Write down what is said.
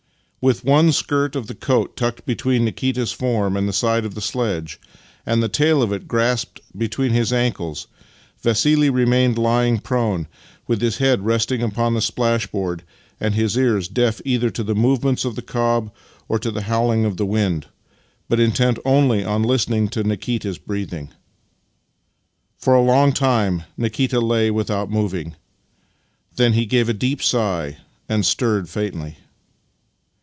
With one skirt of the coat tucked between Nikita's form and the side of the sledge, and the tail of it grasped between his ankles, Vassih remained lying prone, with his head resting upon the splashboard and his ears deaf either to the movements of the cob or to the howling of the wind, but intent only on listening to Nikita's breathing. For a long time Nikita lay without moving. Then he gave a deep sigh, and stirred faintly.